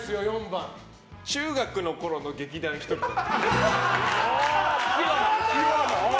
中学のころの劇団ひとりさん。